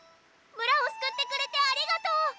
むらをすくってくれてありがとう。